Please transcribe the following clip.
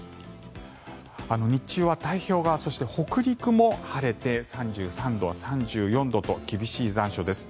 日中は太平洋側そして北陸も晴れて３３度、３４度と厳しい残暑です。